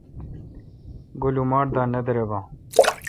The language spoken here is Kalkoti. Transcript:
گو لماٹ دا نہ دریباں۔